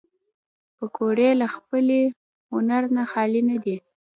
پکورې له پخلي هنر نه خالي نه دي